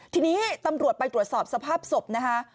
ทีนี้ตำรวจไปตรวจสอบสภาพศพนะคะ